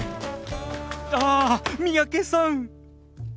ああ三宅さん。